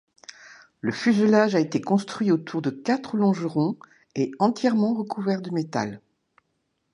Le fuselage a été construit autour de quatre longerons et entièrement recouvert de métal.